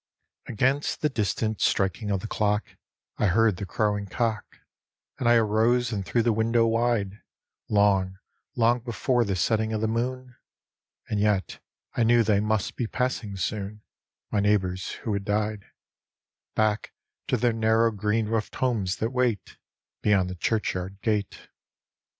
Against the distant striking of the clock I heard the crowing cock, And I arose and threw the window wide; Long, hing before the setting of the moCHi, And yet I knew they must be passing soon— My neighbors who had died — Back to their narrow green roofed homes that wait Beyond the churchyard gate.